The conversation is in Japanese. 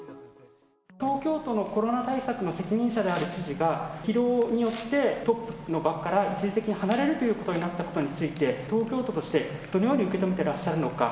東京都のコロナ対策の責任者である知事が、疲労によって、トップの場から一時的に離れるということになったことについて、東京都として、どのように受け止めてらっしゃるのか。